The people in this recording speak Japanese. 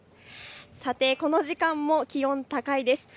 さてこの時間も気温高いです。